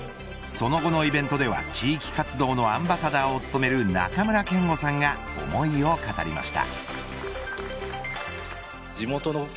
その後のイベントでは地域活動のアンバサダーを務める中村憲剛さんが思いを語りました。